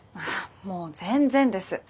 もう全然です。